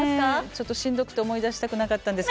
ちょっとしんどくて思い出したくなかったんです。